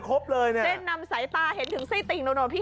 ครบเลยนี่